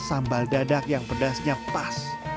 dan juga sambal dadak yang pedasnya pas